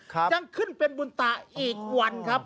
ยังขึ้นเป็นบุญตาอีกวันครับ